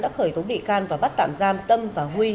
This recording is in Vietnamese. đã khởi túng địa can và bắt tạm giam tâm và huy